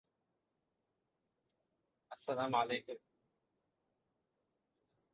މުޝްރިކުން އެބައިމީހުންގެ ކޭމްޕުގައި ތިބޭން ޖެހުމުން އެކަންވާނީ މަޤްޞަދެއްނެތް ތިބުމަކަށް